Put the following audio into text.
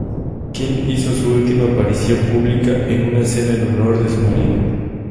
King hizo su última aparición pública en una cena en honor de su marido.